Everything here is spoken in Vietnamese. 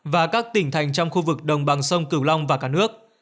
và các tỉnh thành trong khu vực đồng bằng sông cửu long và cả nước